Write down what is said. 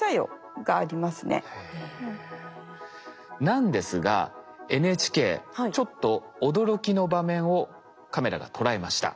なんですがＮＨＫちょっと驚きの場面をカメラが捉えました。